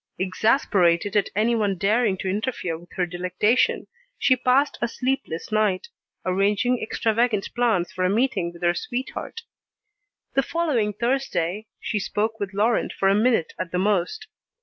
Exasperated at anyone daring to interfere with her delectation, she passed a sleepless night, arranging extravagant plans for a meeting with her sweetheart. The following Thursday, she spoke with Laurent for a minute at the most.